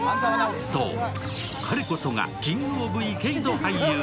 そう、彼こそがキング・オブ池井戸俳優。